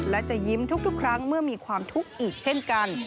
และจะยิ้มทุกครั้งเมื่อมีความทุกข์อีกเช่นกัน